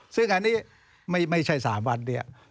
ซึ่งอันนี้ไม่ใช่๓วันเนี่ย